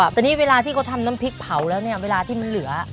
แต่นี่เวลาที่เขาทำน้ำพริกเผาแล้วเนี่ยเวลาที่มันเหลือ